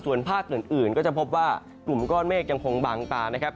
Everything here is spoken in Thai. ส่วนภาคอื่นก็จะพบว่ากลุ่มก้อนเมฆยังคงบางตานะครับ